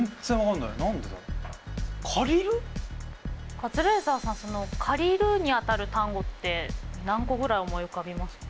カズレーザーさんその「借りる」にあたる単語って何個ぐらい思い浮かびますかね？